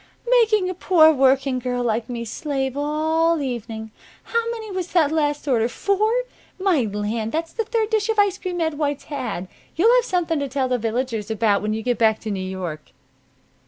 "Making a poor working girl like me slave all evening! How many was that last order? Four? My land! that's the third dish of ice cream Ed White's had! You'll have something to tell the villagers about when you get back to New York."